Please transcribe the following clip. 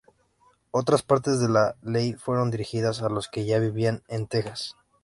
Otras partes de la ley fueron dirigidas a los que ya vivían en Texas.